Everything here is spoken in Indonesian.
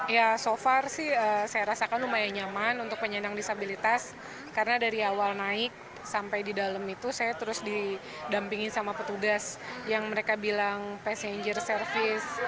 ya so far sih saya rasakan lumayan nyaman untuk penyandang disabilitas karena dari awal naik sampai di dalam itu saya terus didampingin sama petugas yang mereka bilang passenger service